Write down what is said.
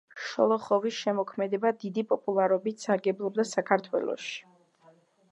შოლოხოვის შემოქმედება დიდი პოპულარობით სარგებლობდა საქართველოში.